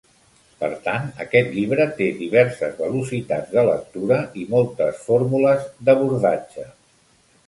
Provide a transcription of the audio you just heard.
Per tant, aquest llibre té diverses velocitats de lectura i moltes fórmules d'abordatge.